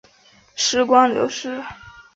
时光流逝